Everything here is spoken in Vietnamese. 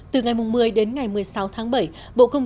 từ ngày một mươi đến ngày một mươi sáu tháng bảy